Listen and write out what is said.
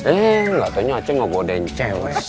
eh katanya aceh ngabu dengan cewek